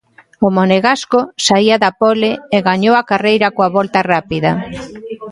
O monegasco saía da pole e gañou a carreira coa volta rápida.